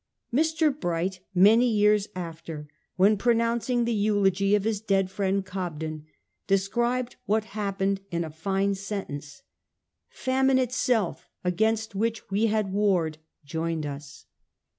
Mr. Bright many years after, when pro nouncing the eulogy of his dead friend Cobden, de scribed what happened in a fine sentence : 'Famine itself, against which we had warred, joined us.